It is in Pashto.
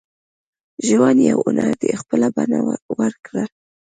• ژوند یو هنر دی، خپله بڼه ورکړه.